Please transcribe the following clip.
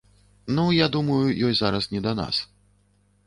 Ну, я думаю, ёй зараз не да нас.